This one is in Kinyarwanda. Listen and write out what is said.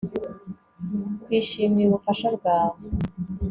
twishimiye ubufasha bwawe